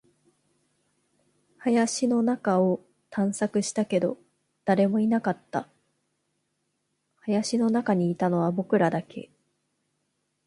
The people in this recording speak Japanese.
林の中を探索したけど、誰もいなかった。林の中にいたのは僕らだけ。